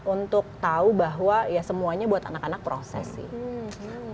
untuk tahu bahwa ya semuanya buat anak anak proses sih